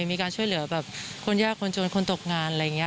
มีการช่วยเหลือแบบคนยากคนจนคนตกงานอะไรอย่างนี้